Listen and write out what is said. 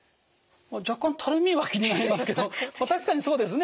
若干たるみは気になりますけど確かにそうですね